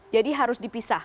jadi harus dipisah